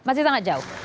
masih sangat jauh